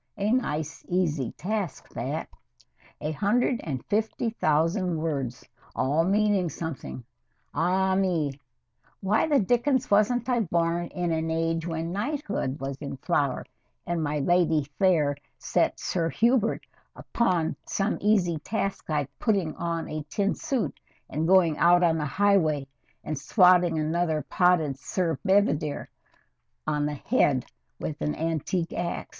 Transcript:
"A nice, easy task that. A hundred and fifty thousand words, all meaning something. Ah me! Why the dickens wasn't I born in an age when knighthood was in flower and my Lady Fayre set Sir Hubert some easy task like putting on a tin suit and going out on the highway and swatting another potted Sir Bedivere on the head with an antique ax?